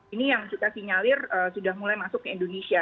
ini yang kita sinyalir sudah mulai masuk ke indonesia